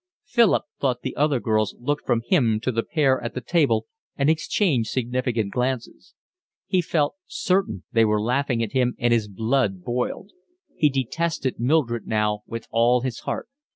Philip thought the other girls looked from him to the pair at the table and exchanged significant glances. He felt certain they were laughing at him, and his blood boiled. He detested Mildred now with all his heart.